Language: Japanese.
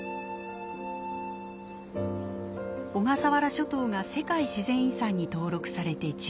小笠原諸島が世界自然遺産に登録されて１０年。